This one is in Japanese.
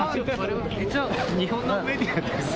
一応日本のメディアです。